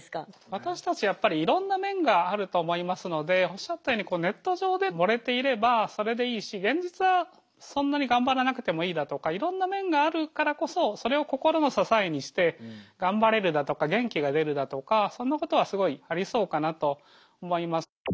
私たちやっぱりいろんな面があると思いますのでおっしゃったようにネット上で盛れていればそれでいいし現実はそんなに頑張らなくてもいいだとかいろんな面があるからこそそれを心の支えにして頑張れるだとか元気が出るだとかそんなことはすごいありそうかなと思います。